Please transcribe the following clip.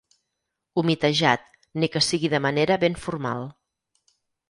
Humitejat, ni que sigui de manera ben formal.